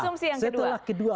asumsi yang kedua